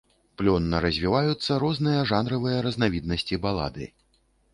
Плённа развіваюцца розныя жанравыя разнавіднасці балады.